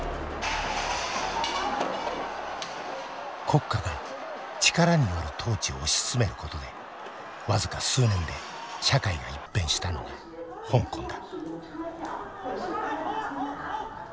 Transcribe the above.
国家が力による統治を推し進めることで僅か数年で社会が一変したのが香港だ。